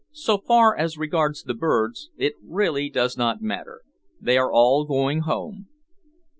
So far as regards the birds, it really does not matter. They are all going home."